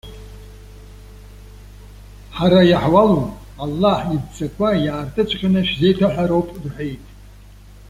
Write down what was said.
Ҳара иаҳуалу, Аллаҳ идҵақәа иаартыҵәҟьаны шәзеиҭаҳәароуп,- рҳәеит.